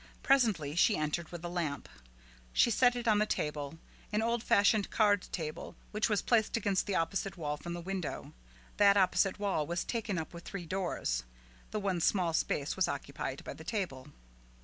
Presently she entered with a lamp. She set it on the table, an old fashioned card table which was placed against the opposite wall from the window. That opposite wall was taken up with three doors; the one small space was occupied by the table.